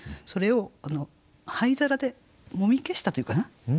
それを灰皿でもみ消したというかな。